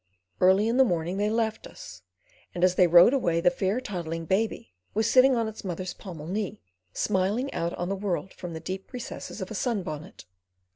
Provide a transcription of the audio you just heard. Early in the morning they left us, and as they rode away the fair toddling baby was sitting on its mother's pommel knee, smiling out on the world from the deep recesses of a sunbonnet.